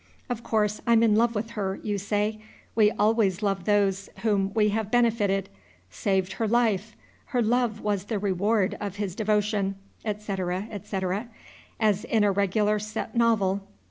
Of course I'm in love with her, you say, we always love those whom we have benefited; "saved her life, her love was the reward of his devotion," etc., etc., as in a regular set novel.